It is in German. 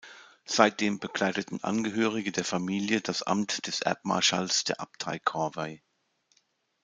Seitdem bekleideten Angehörige der Familie das Amt des Erbmarschalls der Abtei Corvey.